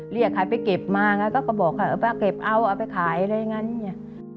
เรียกใครไปเก็บมาก็บอกเออป๊าเก็บเอาเอาไปขายอะไรอย่างนั้นเนี่ย